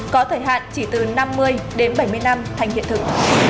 có thời hạn chỉ từ năm mươi đến bảy mươi năm thành hiện thực